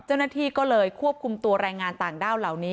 เจ้าหน้าที่ก็เลยควบคุมตัวแรงงานต่างด้าวเหล่านี้